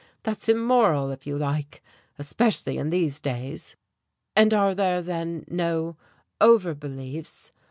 That's immoral, if you like especially in these days." "And are there, then, no 'over beliefs'?"